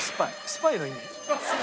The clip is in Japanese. スパイの意味で。